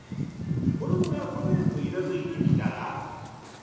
衣が程よく色づいてきたら。